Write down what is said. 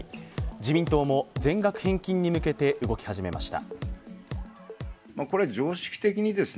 自民党も全額返金に向けて動き出しました。